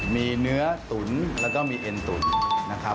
มีเนื้อตุ๋นแล้วก็มีเอ็นตุ๋นนะครับ